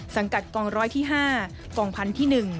สังกัดกองร้อยที่๕กองพันธุ์ที่๑